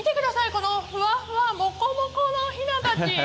このふわふわもこもこのひなたち